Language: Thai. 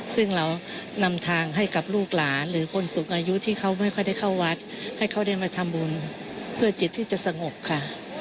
ซึ่งเรานำทางให้กับลูกหลานหรือคนสูงอายุที่เขาไม่ค่อยได้เข้าวัดให้เขาได้มาทำบุญเพื่อจิตที่จะสงบค่ะ